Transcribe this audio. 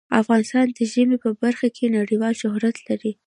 افغانستان د ژمی په برخه کې نړیوال شهرت لري.